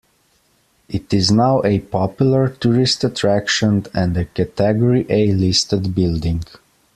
It is now a popular tourist attraction, and a category A listed building.